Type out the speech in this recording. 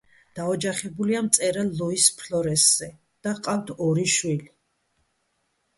დაოჯახებულია მწერალ ლუის ფლორესზე და ჰყავთ ორი შვილი.